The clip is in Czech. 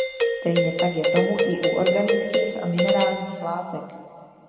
Stejně tak je tomu i u organických a minerálních látek.